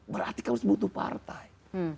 berarti kamu butuh partai